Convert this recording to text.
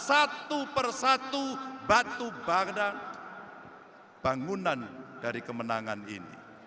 satu persatu batu bangunan dari kemenangan ini